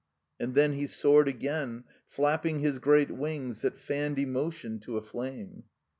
And then he soared again, flapping his great wings that fanned emotion to a fleime.